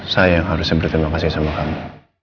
saya yang harusnya berterima kasih sama kamu